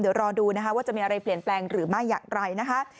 เดี๋ยวรอดูนะคะว่าจะมีอะไรเปลี่ยนแปลงหรือไม่อย่างไรนะคะ